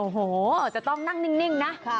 โอ้โหจะต้องนั่งนิ่งนะ